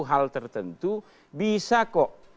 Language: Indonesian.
hal tertentu bisa kok